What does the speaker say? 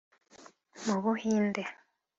Mu Buhinde